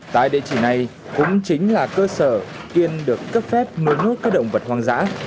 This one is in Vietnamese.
tại địa chỉ này cũng chính là cơ sở tuyên được cấp phép nuôi nhốt các động vật hoang dã